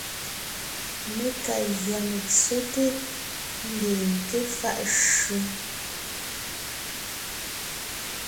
Mé ka gÿá metsóte, ńdeen ńké faʼ shÿó.